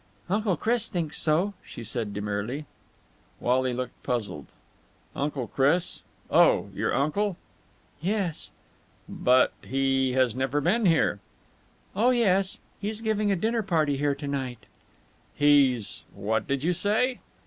"Uncle Chris thinks so," she said demurely. Wally looked puzzled. "Uncle Chris? Oh, your uncle?" "Yes." "But he has never been here." "Oh, yes. He's giving a dinner party here to night!" "He's ... what did you say?"